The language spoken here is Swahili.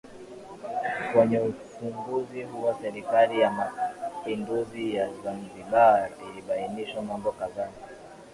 Kwenye ufunguzi huo Serikali ya Mapinduzi ya Zanzibar ilibainisha mambo kadhaa